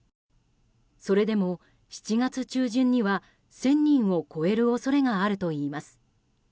それでも７月中旬には１０００人を超える恐れがあるといいます。